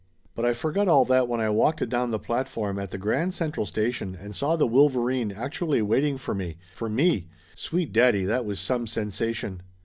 But I forgot all that when I walked down the platform at the Grand Central Station and saw the Wolverine actually waiting for me for me! Sweet daddy, that was some sensation!